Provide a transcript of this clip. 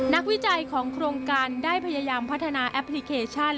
วิจัยของโครงการได้พยายามพัฒนาแอปพลิเคชัน